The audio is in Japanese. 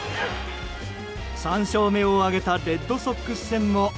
３勝目を挙げたレッドソックス戦も。